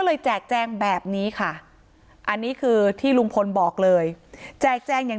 แจกแจงแบบนี้ค่ะอันนี้คือที่ลุงพลบอกเลยแจกแจงอย่าง